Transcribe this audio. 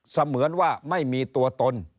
เสมือนว่าไม่มีตัวตน